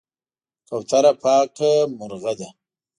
کوتره پاکه مرغه ده.